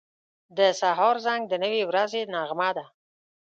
• د سهار زنګ د نوې ورځې نغمه ده.